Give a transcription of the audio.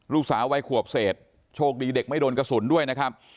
ลูกสาววัยขวบเศษโชคดีเด็กไม่โดนกระสุนด้วยนะครับ